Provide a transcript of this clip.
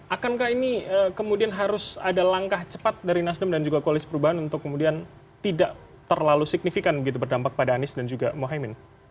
akankah ini kemudian harus ada langkah cepat dari nasdem dan juga koalisi perubahan untuk kemudian tidak terlalu signifikan begitu berdampak pada anies dan juga mohaimin